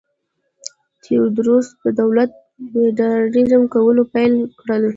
تیودوروس د دولت م وډرنیزه کول پیل کړل.